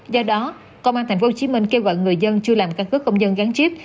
do đó công an tp hcm kêu gọi người dân chưa làm căn cứ công dân gắn chip